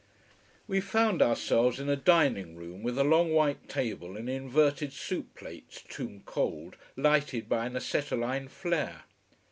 We found ourselves in a dining room with a long white table and inverted soup plates, tomb cold, lighted by an acetylene flare.